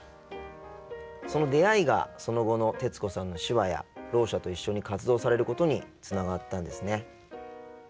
その出会いがその後の徹子さんの手話やろう者と一緒に活動されることにつながったんですね。